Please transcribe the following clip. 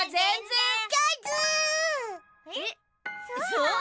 そう？